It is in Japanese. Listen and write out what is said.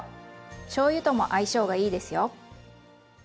しょうゆとも相性がいいですよ。